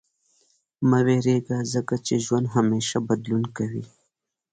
• مه وېرېږه، ځکه چې ژوند همېشه بدلون کوي.